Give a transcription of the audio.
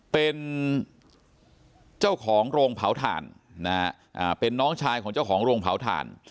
เป็นเจ้าของโรงเผาถ่านนะฮะเป็นน้องชายของเจ้าของโรงเผาถ่าน